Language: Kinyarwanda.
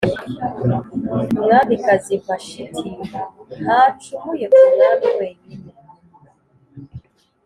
“Umwamikazi Vashiti ntacumuye ku mwami wenyine,